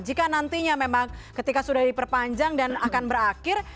jika nantinya memang ketika sudah diperpanjang dan akan berakhir